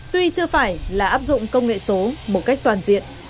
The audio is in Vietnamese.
tuy chưa phải là áp dụng công nghệ số một cách toàn diện